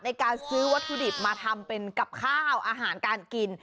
ในการซื้อวัตถุดิบมาทำเป็นกับข้าวอาหารการกิน